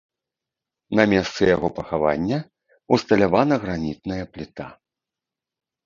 На месцы яго пахавання ўсталявана гранітная пліта.